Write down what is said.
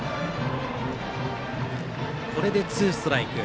これでツーストライク。